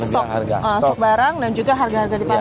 dan sekarang saya ingin melanjutkan kegiatan saya di jambi